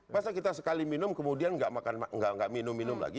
masa kita sekali minum kemudian nggak minum minum lagi